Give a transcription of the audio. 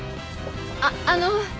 あっあの。